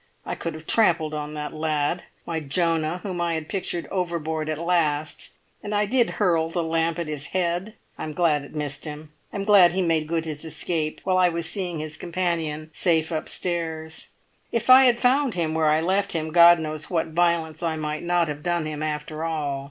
I could have trampled on that lad, my Jonah whom I had pictured overboard at last, and I did hurl the lamp at his head. I am glad it missed him. I am glad he made good his escape while I was seeing his companion safe upstairs. If I had found him where I left him, God knows what violence I might not have done him after all.